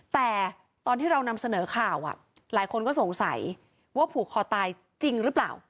แต่ตอนที่เรานำเสนอข่าวหลายคนก็สงสัยว่าผูกคอตายจริงหรือเปล่า